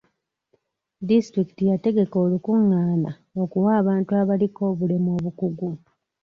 Disitulikiti yategeka olukungaana okuwa abantu abaliko obulemu obukugu.